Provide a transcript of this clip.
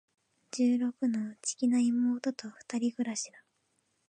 十六の、内気な妹と二人暮しだ。